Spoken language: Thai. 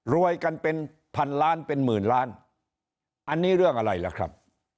รวยกันเป็นพันล้านเป็นหมื่นล้านอันนี้เรื่องอะไรล่ะครับ